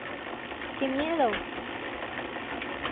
¡Qué miedo!